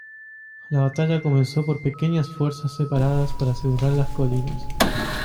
La batalla comenzó por pequeñas fuerzas separadas para asegurar las colinas.